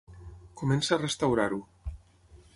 Comença a restaurar-ho.